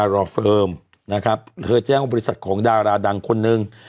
รอเฟิร์มนะครับเธอแจ้งว่าบริษัทของดาราดังคนนึง